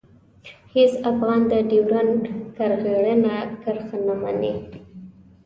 هېڅ افغان د ډیورنډ کرغېړنه کرښه نه مني.